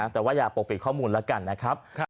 แต่ว่าอย่าปกปิดข้อมูลแล้วกันนะครับ